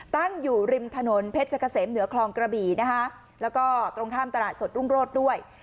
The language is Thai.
ตั้งอยู่ริมถนนเพชรเกษมเหนือคลองกระบี่นะคะแล้วก็ตรงข้ามตลาดสดรุ่งโรศด้วย